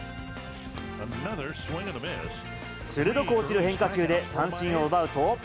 鋭く落ちる変化球で三振を奪うと。